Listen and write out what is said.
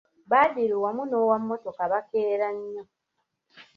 Badru wamu n'owa mmotoka baakera nnyo.